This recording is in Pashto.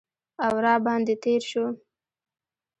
او را باندې تیر شو